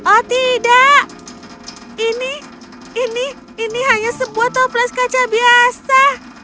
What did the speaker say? oh tidak ini ini hanya sebuah toples kaca biasa